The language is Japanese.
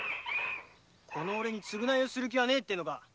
このオレに償いをする気はねぇってのか